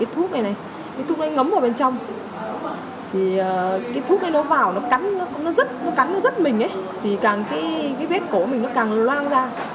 thì càng cái vết cổ mình nó càng loang ra